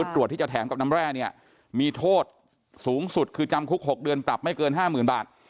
ตรวจที่จะแถมกับน้ำแร่เนี่ยมีโทษสูงสุดคือจำคุก๖เดือนปรับไม่เกิน๕๐๐๐บาท